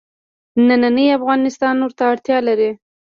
نننی افغانستان ورته اړتیا لري.